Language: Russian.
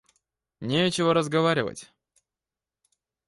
Нечего разговаривать!